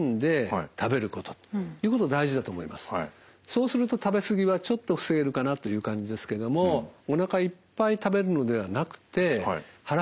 そうすると食べ過ぎはちょっと防げるかなという感じですけどもおなかいっぱい食べるのではなくて腹